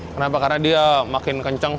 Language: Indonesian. kenapa karena dia makin kencang